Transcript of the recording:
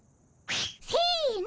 せの。